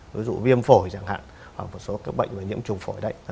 ví dụ viêm phổi chẳng hạn hoặc một số bệnh nhiễm trùng phổi đấy